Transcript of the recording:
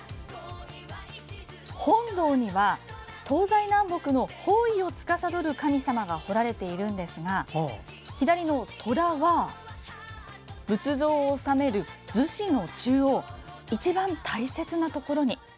本堂には、東西南北の方位を司る神様が彫られているんですが左のトラは仏像を納める厨子の中央一番大切なところに。